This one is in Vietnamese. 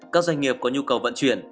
các doanh nghiệp có nhu cầu vận chuyển